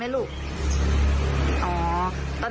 แม่หนูเห็นค่ะ